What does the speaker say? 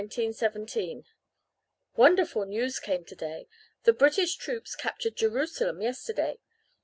11th December 1917 "Wonderful news came today. The British troops captured Jerusalem yesterday.